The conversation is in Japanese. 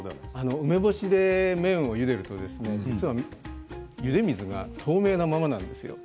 梅干しで麺をゆでるとゆで水が透明なままなんです。